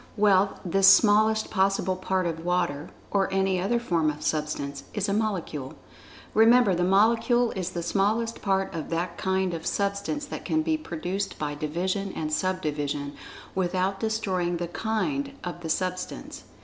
Well, this smallest possible part of water (or any other form of Substance) is a Molecule. Remember the Molecule is the smallest part of that kind of Substance that can be produced by division and sub division, without destroying the "kind" of the Substance.